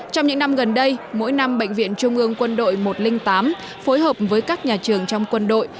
trong những năm gần đây mỗi năm bệnh viện trung ương quân đội một trăm linh tám phối hợp với các nhà trường trong quân đội